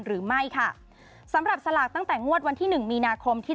หรือไม่ค่ะสำหรับสลากตั้งแต่งวดวันที่หนึ่งมีนาคมที่